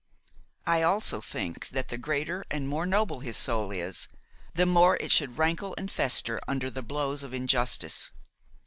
I also think that the greater and more noble his soul is, the more it should rankle and fester under the blows of injustice.